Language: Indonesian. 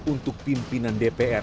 untuk pimpinan dpr